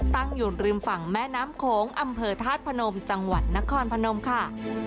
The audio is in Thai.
ตั้งอยู่ริมฝั่งแม่น้ำโขงอำเภอธาตุพนมจังหวัดนครพนมค่ะ